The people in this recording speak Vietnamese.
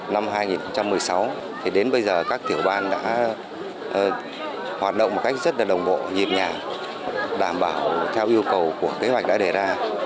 năm hai nghìn một mươi sáu thì đến bây giờ các tiểu ban đã hoạt động một cách rất là đồng bộ nhịp nhàng đảm bảo theo yêu cầu của kế hoạch đã đề ra